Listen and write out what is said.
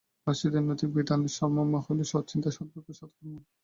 পার্শীদের নৈতিক-বিধানের সারমর্ম হইল সৎ চিন্তা, সৎ বাক্য এবং সৎ কর্ম।